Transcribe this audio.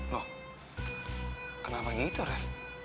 loh kenapa gitu ref